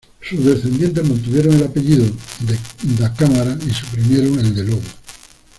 Sus descendientes mantuvieron el apellido da Câmara y suprimieron el de Lobo.